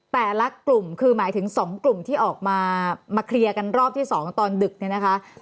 แต่ละกลุ่มคือหมายถึง๒กลุ่มที่ออกมามาเคลียร์กันรอบที่๒ตอนดึกเนี่ยนะคะ